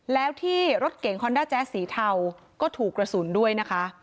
แล้วที่รถเก่งคอนด้าแจ๊สสีเทาก็ถูกกระสุนด้วยนะคะ